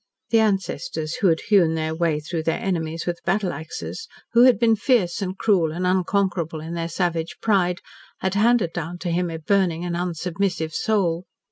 The ancestors who had hewn their way through their enemies with battle axes, who had been fierce and cruel and unconquerable in their savage pride, had handed down to him a burning and unsubmissive soul.